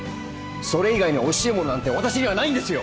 それ以外には惜しいものなんて私にはないんですよ！